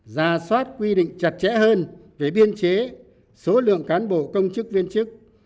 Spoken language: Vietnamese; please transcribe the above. ra soát quy định chặt chẽ hơn về biên chế số lượng cán bộ công chức viên chức